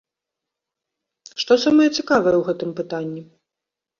Што самае цікавае ў гэтым пытанні?